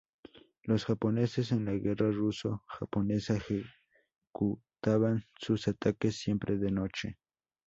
Los japoneses en la Guerra Ruso-Japonesa ejecutaban sus ataques siempre de noche.